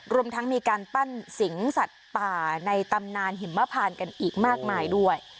รวมทั้งมีการปั้นสิงสัตว์ป่าในตำนานหิมพานกันอีกมากมายด้วย